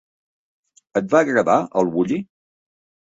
Et va agradar el Bulli?